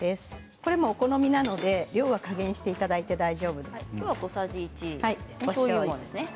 これもお好みなので量は加減していただいてきょうは小さじ１ですね。